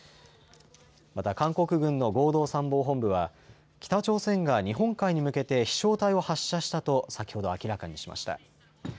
また韓国軍の合同参謀本部は北朝鮮が日本海に向けて飛しょう体を発射したと先ほど明らかにしました。